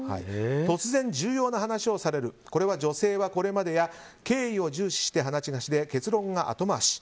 突然重要な話をされるこれは、女性はこれまでや経緯を重視して話をして結論は後回し。